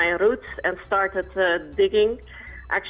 yang hampir sama seperti yang saya ingat